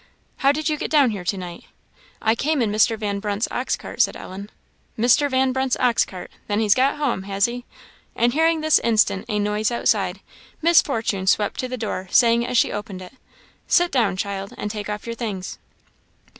"How did you get down here to night?" "I came in Mr. Van Brunt's ox cart," said Ellen. "Mr. Van Brunt's ox cart! Then he's got home, has he?" And hearing this instant a noise outside, Miss Fortune swept to the door, saying, as she opened it, "Sit down, child, and take off your things."